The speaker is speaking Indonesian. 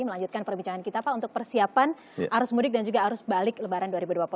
melanjutkan perbincangan kita pak untuk persiapan arus mudik dan juga arus balik lebaran dua ribu dua puluh tiga